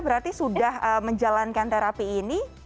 berarti sudah menjalankan terapi ini